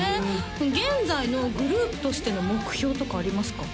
現在のグループとしての目標とかありますか？